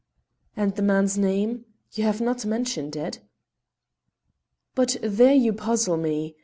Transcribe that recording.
"And the man's name? you have not mentioned it." "But there you puzzle me.